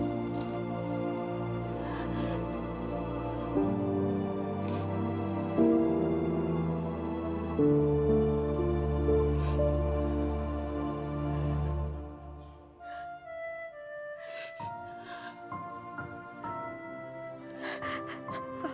gue harus menerima kuliah